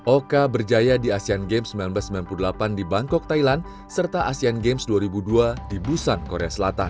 oka berjaya di asean games seribu sembilan ratus sembilan puluh delapan di bangkok thailand serta asean games dua ribu dua di busan korea selatan